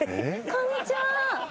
こんにちは。